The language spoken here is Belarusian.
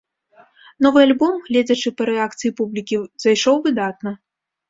Новы альбом, гледзячы па рэакцыі публікі, зайшоў выдатна.